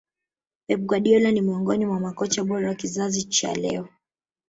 pep guardiola ni miongoni mwa makocha bora wa kizazi cha leo